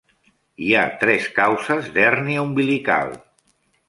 Hi ha tres causes d'hèrnia umbilical.